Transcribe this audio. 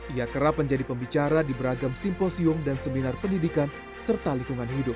ia kerap menjadi pembicara di beragam simposium dan seminar pendidikan serta lingkungan hidup